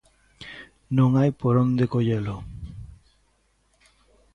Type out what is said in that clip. Non hai por onde collelo.